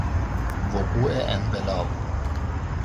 وقوع انقلاب